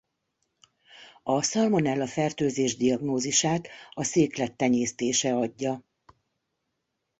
A Salmonella-fertőzés diagnózisát a széklet tenyésztése adja.